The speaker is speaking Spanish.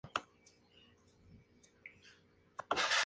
La ciudad de Chicago es la más grande de la división.